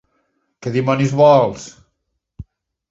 Què dimonis vols?